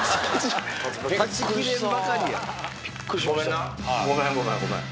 ごめんなごめんごめんごめん。